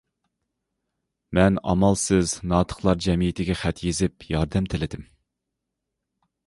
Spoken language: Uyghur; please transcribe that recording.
مەن ئامالسىز ناتىقلار جەمئىيىتىگە خەت يېزىپ ياردەم تىلىدىم.